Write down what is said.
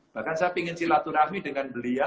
bahkan saya ingin silaturahmi dengan beliau